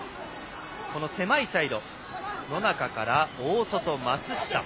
狭いサイド、野中から大外の松下。